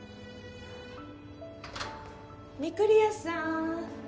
・・御厨さん。